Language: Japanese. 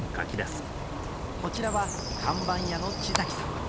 こちらは看板屋の地さん